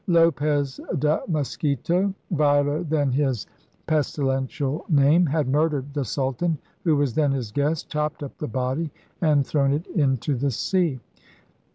Lopez de Mosquito — viler than his pes tilential name — had murdered the Sultan, who was then his guest, chopped up the body, and thrown it into the sea.